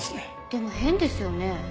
でも変ですよね。